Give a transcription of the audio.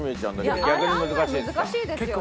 あれ案外難しいですよね。